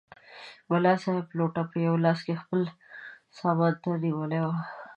ملا صاحب لوټه په یوه لاس کې خپل سامان ته نیولې وه.